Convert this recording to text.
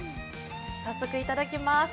早速いただきます。